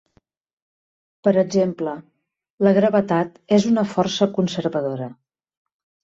Per exemple, la gravetat és una força conservadora.